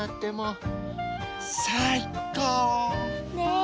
ねえ。